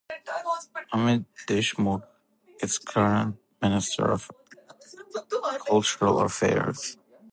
Amit Deshmukh is current Minister of Cultural Affairs.